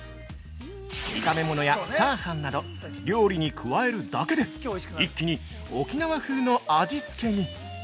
炒め物や炒飯など、料理に加えるだけで、一気に沖縄風の味付けに！！